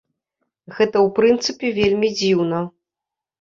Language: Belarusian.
Гэта ў прынцыпе вельмі дзіўна.